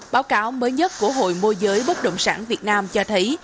báo cáo mới nhất của hội môi giới bất động sản việt nam cho thấy